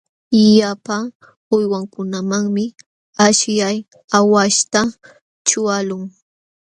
Llapa uywankunamanmi aśhllay aawaśhta ćhuqaqlun.